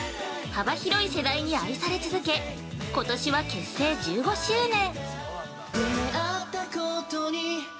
幅広い世代に愛され続け、ことしは結成１５周年。